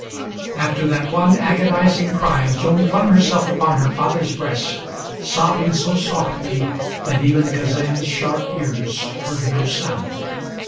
After that one agonizing cry, Joan flung herself upon her father's breast, sobbing so softly that even Kazan's sharp ears heard no sound.